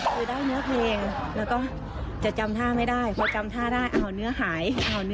คือได้เนื้อเพลงแล้วก็จะจำท่าไม่ได้พอจำท่าได้เนื้อหาย